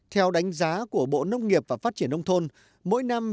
theo đánh giá của bộ nông nghiệp và phát triển nông thôn